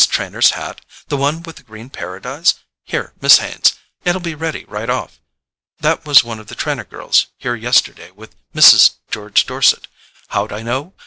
Trenor's hat? The one with the green Paradise? Here, Miss Haines—it'll be ready right off.... That was one of the Trenor girls here yesterday with Mrs. George Dorset. How'd I know?